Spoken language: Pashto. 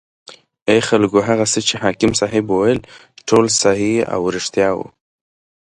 ای خلکو هغه څه چې حاکم صیب وویل ټول صحیح او ریښتیا و.